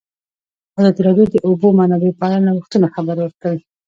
ازادي راډیو د د اوبو منابع په اړه د نوښتونو خبر ورکړی.